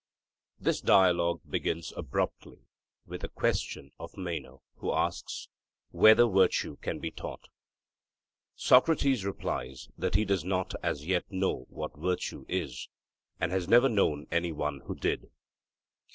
This Dialogue begins abruptly with a question of Meno, who asks, 'whether virtue can be taught.' Socrates replies that he does not as yet know what virtue is, and has never known anyone who did.